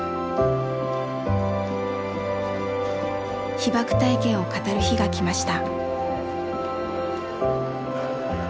被爆体験を語る日がきました。